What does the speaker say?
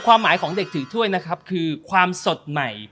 ความหมายของเด็กถือถ้วยนะครับคือความสดใหม่